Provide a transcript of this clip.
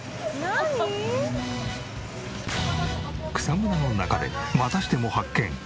草むらの中でまたしても発見。